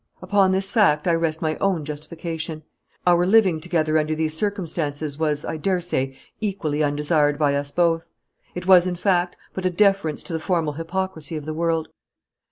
Upon this fact I rest my own justification; our living together under these circumstances was, I dare say, equally undesired by us both. It was, in fact, but a deference to the formal hypocrisy of the world.